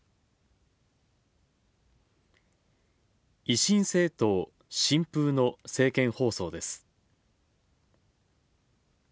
維新政党・新風の政見放送です。